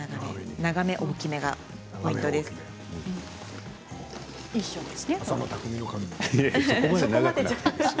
長め、大きめがポイントです。